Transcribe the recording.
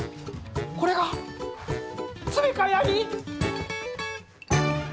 これがつべかやり？